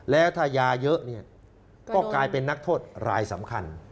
แล้วถ้ายาเยอะเนี่ยก็กลายเป็นนักโทษรายสำคัญ